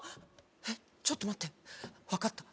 えっちょっと待って分かった